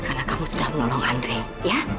karena kamu sudah menolong andre ya